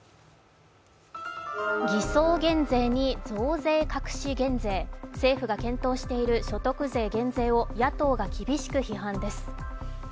偽装減税に増税隠し減税、政府が検討している所得税減税を野党が厳しく批判です。